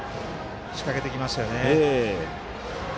仕掛けてきましたよね。